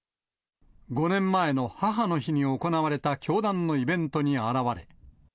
５年前の母の日に行われた教団のイベントに現れ。